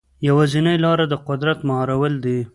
یوازینۍ لاره د قدرت مهارول دي.